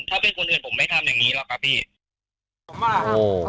ถ้าเป็นคนอื่นผมไม่ทำอย่างนี้แล้วป่ะพี่